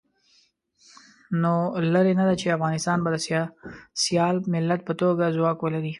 نو لرې نه ده چې افغانستان به د سیال ملت په توګه ځواک ولري.